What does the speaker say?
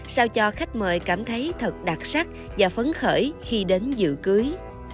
sao cho khách mời cảm thấy thật đặc sắc và phấn khởi khi đến dự cưới